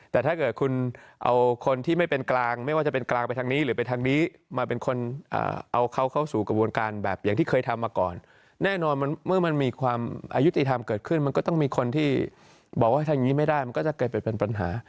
แต่ถ้าเกิดคุณเอาคนที่ไม่เป็นกลางไม่ว่าจะเป็นกลางไปทางนี้หรือไปทางนี้มาเป็นคนเอาเขาเข้าสู่กระบวนการแบบอย่างที่เคยทำมาก่อนแน่นอนเมื่อมันมีความอายุติธรรมเกิดขึ้นมันก็ต้องมีคนที่บอกว่าทำอย่างนี้ไม่ได้มันก็จะเกิดไปเป็นปัญหา